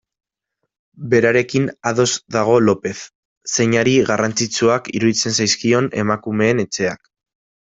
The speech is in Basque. Berarekin ados dago Lopez, zeinari garrantzitsuak iruditzen zaizkion Emakumeen Etxeak.